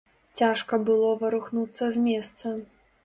Цяжка было варухнуцца з месца.